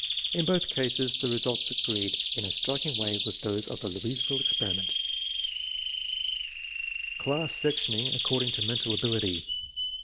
l In both cases the results agreed in a striking way with those of the Louisville experiment. Class sectioning according to mental ability.